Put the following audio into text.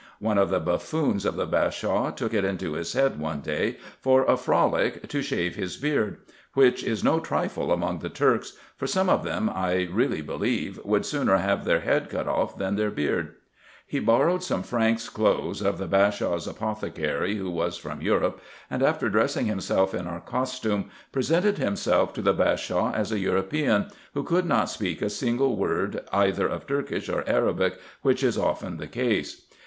One of the buffoons of the Bashaw took it into his head one day, for a frolic, to shave his beard ; which is no trifle among the Turks ; for some of them, I really believe, would sooner have their head cut off than their beard : he borrowed some Franks' clothes of the Bashaw's apothecary, who was from Europe, and, after dressing himself in our costume, presented himself to the Bashaw as a European, who could not speak a single word either of Turkish or Arabic, which is often the case.